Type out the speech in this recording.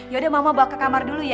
yaudah mama bawa ke kamar dulu ya